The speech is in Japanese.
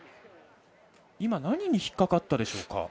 何に引っ掛かったでしょうか。